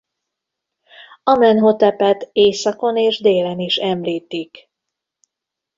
Amenhotepet északon és délen is említik.